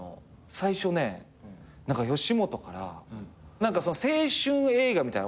最初ね吉本から青春映画みたいな。